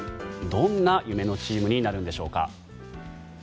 どんな夢のチームになるんでしょうか。